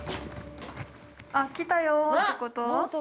◆来たよってこと？